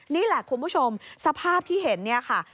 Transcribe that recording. นี่แหละคุณผู้ชมสภาพที่เห็นเนี่ยค่ะ